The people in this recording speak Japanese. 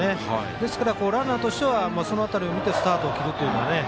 ですから、ランナーとしてはその辺りを見てスタートを切るというね。